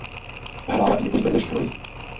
Hrála i několik vedlejších rolí.